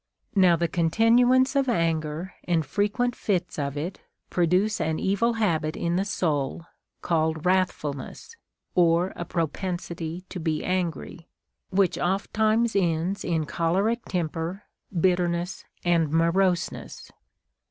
3. Now the continuance of anger and frequent fits of it produce an evil habit in the soul called Avrath fulness, or a propensity to be angry, Λvhich oft times ends in choleric temper, bitterness, and moroseness.